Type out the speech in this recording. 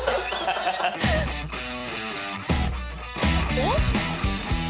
おっ？